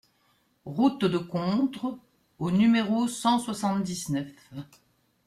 Route de Contres au numéro cent soixante-dix-neuf